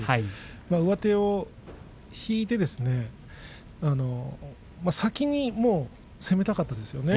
上手を引いて先に攻めたかったですね。